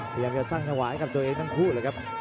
เรียงจะสร้างถวัยกับตัวเองทั้งผู้ครับครับ